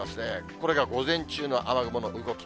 これが午前中の雨雲の動き。